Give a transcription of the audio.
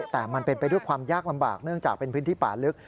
แต่มันเป็นไปด้วยความยากลำบากเนื่องจากเป็นพื้นที่ป่าลึก